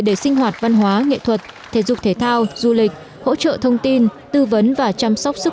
để sinh hoạt văn hóa nghệ thuật thể dục thể thao du lịch hỗ trợ thông tin tư vấn và chăm sóc sức